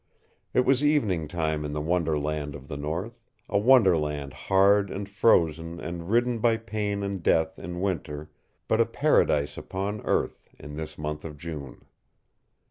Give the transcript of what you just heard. It was evening time in the wonderland of the north, a wonderland hard and frozen and ridden by pain and death in winter, but a paradise upon earth in this month of June.